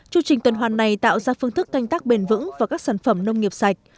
chương trình tuần hoàn này tạo ra phương thức canh tác bền vững và các sản phẩm nông nghiệp sạch